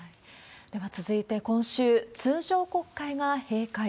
では続いて、今週、通常国会が閉会。